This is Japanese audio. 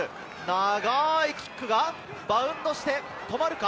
長いキックがバウンドして止まるか？